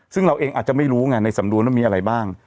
ซึ่งเราเองอาจจะไม่รู้ไงในสำนวนว่ามีอะไรบ้าง